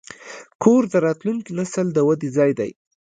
کور د راتلونکي نسل د ودې ځای دی.